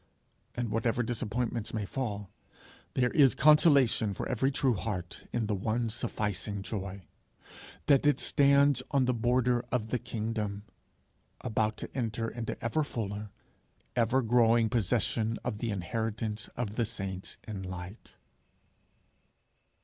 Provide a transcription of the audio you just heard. And whatever disappointments may fall, there is consolation for every true heart in the one sufficing joy that it stands on the border of the kingdom, about to enter into ever fuller, ever growing possession of the inheritance of the saints in light.